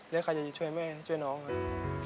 แล้วใครจะช่วยแม่ช่วยน้องครับ